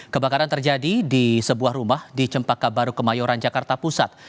kebakaran terjadi di sebuah rumah di cempaka baru kemayoran jakarta pusat